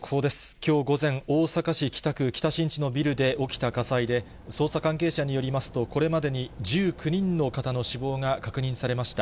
きょう午前、大阪市北区北新地のビルで起きた火災で、捜査関係者によりますと、これまでに１９人の方の死亡が確認されました。